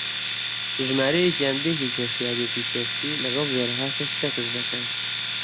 ژمارەیەکیان بێ هیچ هۆشیارییەکی سێکسی لەگەڵ جۆرەها کەس سێکس دەکەن